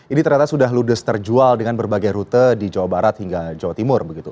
ini ternyata sudah ludes terjual dengan berbagai rute di jawa barat hingga jawa timur begitu